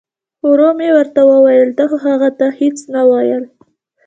ورو مې ورته وویل تا خو هغه ته هیڅ نه ویل.